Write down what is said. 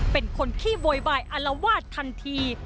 เป็นคนขี้โวยวายอารวาสทันที